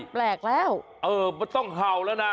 แปลกแล้วไม่ต้องเผ่าละนะ